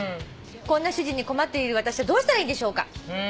「こんな主人に困っている私はどうしたらいいんでしょうか？」